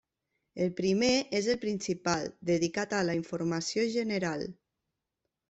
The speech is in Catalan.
El primer és el principal, dedicat a la informació general.